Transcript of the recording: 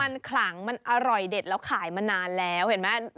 มันขลังมันอร่อยเด็ดแล้วขายมานานแล้วเห็นไหม